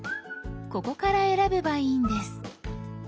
ここから選べばいいんです。